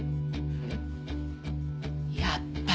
やっぱり。